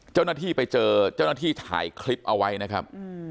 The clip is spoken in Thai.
เจ้าหน้าที่ไปเจอเจ้าหน้าที่ถ่ายคลิปเอาไว้นะครับ